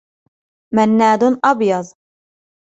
منّاد أبيض.